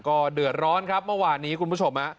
ก็เดือดร้อนครับเมื่อวานนี้คุณผู้ชม